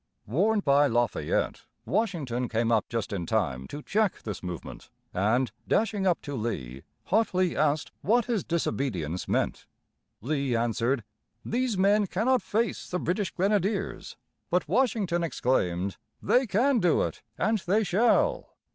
Warned by Lafayette, Washington came up just in time to check this movement, and, dashing up to Lee, hotly asked what his disobedience meant. Lee answered: "These men cannot face the British grenadiers." But Washington exclaimed: "They can do it, and they shall!"